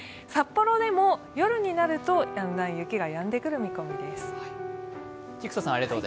札幌でも夜になるとだんだん雪がやんでくる見込みです。